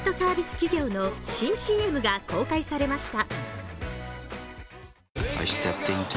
企業の新ＣＭが公開されました。